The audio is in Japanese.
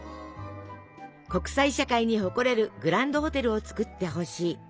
「国際社会に誇れるグランドホテルをつくってほしい」。